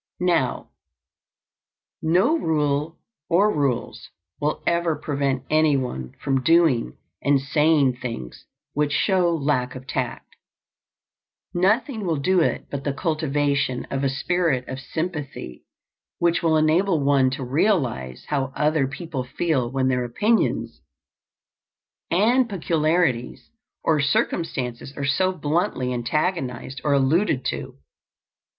Now, no rule or rules will ever prevent anyone from doing and saying things which show lack of tact. Nothing will do it but the cultivation of a spirit of sympathy which will enable one to realize how other people feel when their opinions and peculiarities or circumstances are so bluntly antagonized or alluded to.